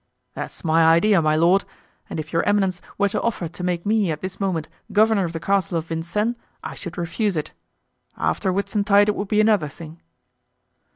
"That's my idea, my lord; and if your eminence were to offer to make me at this moment governor of the castle of Vincennes, I should refuse it. After Whitsuntide it would be another thing."